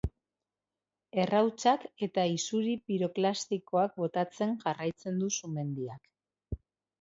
Errautsak eta isuri piroklastikoak botatzen jarraitzen du sumendiak.